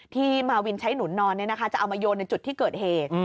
ที่มาวินใช้หนุนนอนจะนำไปที่ที่เกิดเหตุ